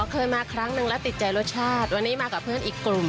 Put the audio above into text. เคยมาครั้งนึงแล้วติดใจรสชาติวันนี้มากับเพื่อนอีกกลุ่ม